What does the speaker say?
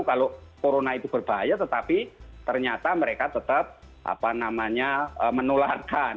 kalau corona itu berbahaya tetapi ternyata mereka tetap menularkan